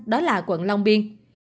đó là quận long biên